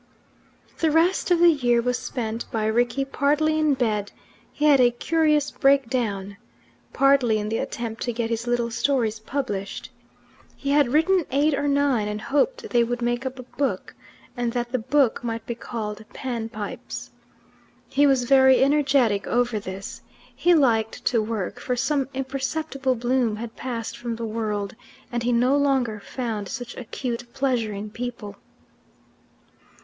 The rest of the year was spent by Rickie partly in bed, he had a curious breakdown, partly in the attempt to get his little stories published. He had written eight or nine, and hoped they would make up a book, and that the book might be called "Pan Pipes." He was very energetic over this; he liked to work, for some imperceptible bloom had passed from the world, and he no longer found such acute pleasure in people.